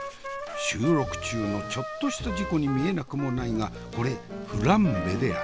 収録中のちょっとした事故に見えなくもないがこれフランベである。